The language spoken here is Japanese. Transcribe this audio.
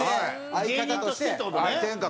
芸人としてって事ね。